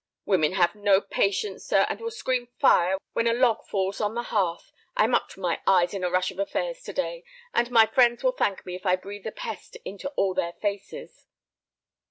"Women have no patience, sir, and will scream 'fire' when a log falls on the hearth. I am up to my eyes in a rush of affairs to day. And my friends will thank me if I breathe a pest into all their faces."